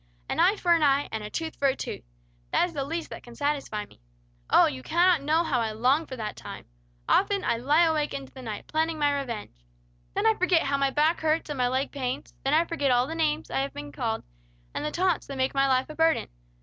'An eye for an eye, and a tooth for a tooth!' That is the least that can satisfy me. Oh, you cannot know how I long for that time! Often I lie awake late into the night, planning my revenge. Then I forget how my back hurts and my leg pains; then I forget all the names I have been called, and the taunts that make my life a burden.